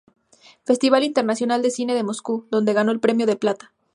Festival Internacional de Cine de Moscú, donde ganó el Premio de Plata.